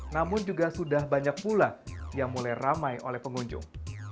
namun juga sudah banyak pula yang mulai ramai oleh pengunjung